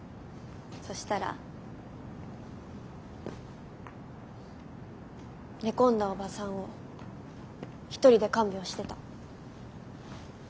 そしたら寝込んだおばさんを一人で看病してた。